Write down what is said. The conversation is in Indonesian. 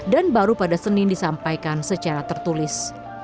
dan baru pada senin disampaikan secara tertulis